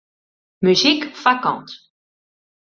Muzyk foarkant.